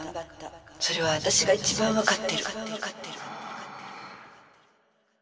それは私が一番分かってる」。